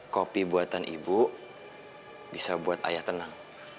kopi buatan ibu bisa buat ayah tenang